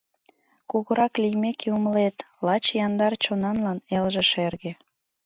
Кугурак лиймеке, умылет: Лач яндар чонанлан элже шерге.